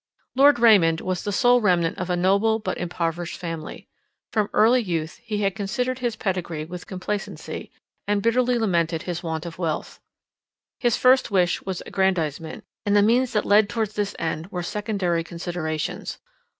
Lord Raymond was the sole remnant of a noble but impoverished family. From early youth he had considered his pedigree with complacency, and bitterly lamented his want of wealth. His first wish was aggrandisement; and the means that led towards this end were secondary considerations.